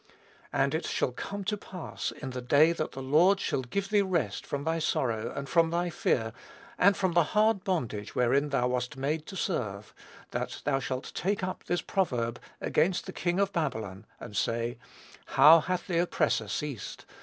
"And it shall come to pass in the day that the Lord shall give thee rest from thy sorrow, and from thy fear, and from the hard bondage wherein thou wast made to serve, that thou shalt take up this proverb against the king of Babylon, and say, How hath the oppressor ceased!